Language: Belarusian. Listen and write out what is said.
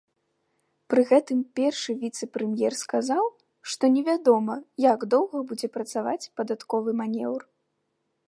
Пры гэтым першы віцэ-прэм'ер сказаў, што невядома, як доўга будзе працаваць падатковы манеўр.